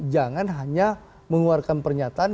jangan hanya mengeluarkan pernyataan